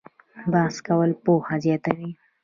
بحث کول پوهه زیاتوي؟